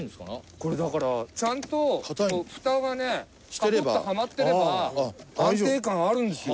これだからちゃんとフタがねカポッてはまってれば安定感あるんですよ。